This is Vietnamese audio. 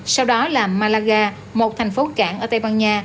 sau đó là malaga một thành phố cảng ở tây ban nha